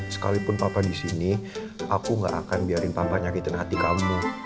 sekalipun papa di sini aku gak akan biarin papa nyakitin hati kamu